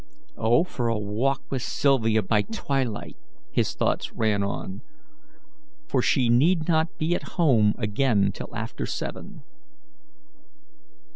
"Oh, for a walk with Sylvia by twilight!" his thoughts ran on, "for she need not be at home again till after seven."